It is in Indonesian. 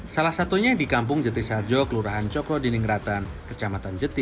salah satunya di kampung jati sarjo kelurahan cokro diningratan kecamatan jeti